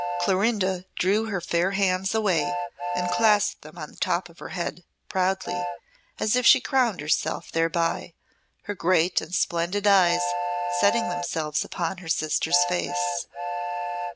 Clorinda drew her fair hands away and clasped them on the top of her head, proudly, as if she crowned herself thereby, her great and splendid eyes setting themselves upon her sister's face.